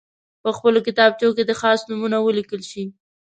په خپلو کتابچو کې دې خاص نومونه ولیکل شي.